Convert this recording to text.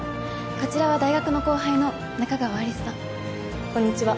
こちらは大学の後輩の仲川有栖さんこんにちは